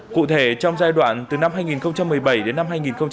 cụ thể trong giai đoạn từ năm hai nghìn một mươi bảy đến năm hai nghìn một mươi chín